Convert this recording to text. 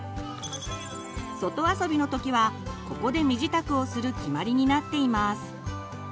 外遊びの時はここで身支度をする決まりになっています。